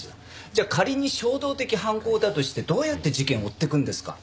じゃあ仮に衝動的犯行だとしてどうやって事件を追っていくんですか？